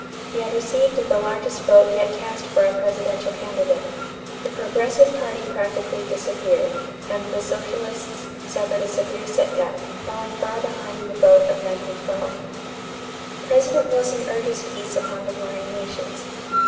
He had received the largest vote yet cast for a presidential candidate. The Progressive party practically disappeared, and the Socialists suffered a severe set back, falling far behind the vote of 1912. =President Wilson Urges Peace upon the Warring Nations.